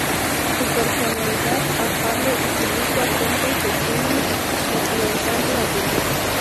Su personalidad afable y su rico acento se sumaban a su encanto natural.